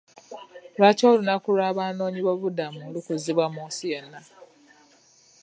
Lwaki olunaku lw'abanoonyi b'obubuddamu lukuzibwa mu nsi yonna.